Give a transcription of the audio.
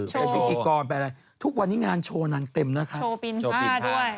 โชว์แปลว่าอะไรทุกวันนี้งานโชว์นั้นเต็มนะครับโชว์ปีนผ้าด้วย